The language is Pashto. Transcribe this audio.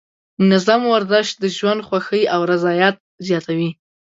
منظم ورزش د ژوند خوښۍ او رضایت زیاتوي.